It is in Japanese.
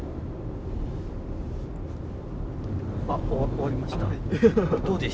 終わりました？